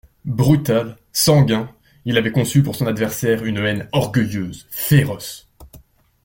Brutal, sanguin, il avait conçu pour son adversaire une haine orgueilleuse, féroce.